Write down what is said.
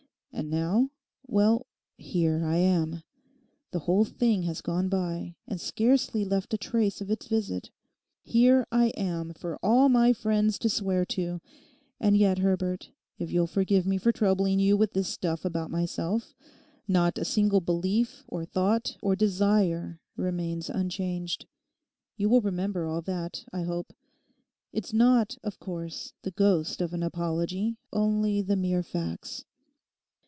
And now—well, here I am. The whole thing has gone by and scarcely left a trace of its visit. Here I am for all my friends to swear to; and yet, Herbert, if you'll forgive me troubling you with this stuff about myself, not a single belief, or thought, or desire remains unchanged. You will remember all that, I hope. It's not, of course, the ghost of an apology, only the mere facts.